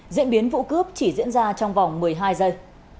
diễn biến vụ cướp chỉ diễn ra trong vòng một mươi hai giây